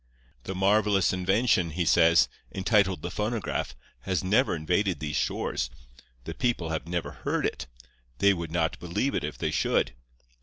"'The marvelous invention,' he says, 'entitled the phonograph, has never invaded these shores. The people have never heard it. They would not believe it if they should.